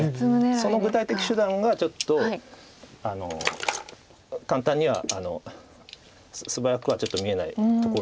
その具体的手段がちょっと簡単には素早くはちょっと見えないところですよね。